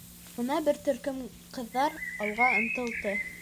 Бына бер төркөм ҡыҙҙар алға ынтылды.